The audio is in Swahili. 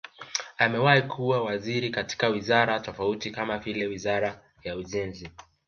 Amewahi kuwa waziri katika wizara tofauti kama vile Wizara ya Ujenzi